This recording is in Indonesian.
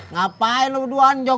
ngapain lo berdua anjong